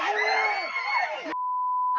เอาล่ะ